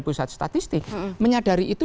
pusat statistik menyadari itu